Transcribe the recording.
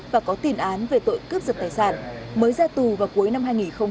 và có tiền án về tội cướp giật tài sản mới ra tù vào cuối năm hai nghìn một mươi chín